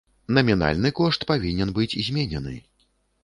Намінальны кошт павінен быць зменены.